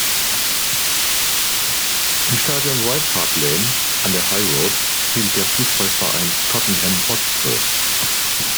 Im Stadion White Hart Lane an der High Road spielt der Fußballverein Tottenham Hotspur.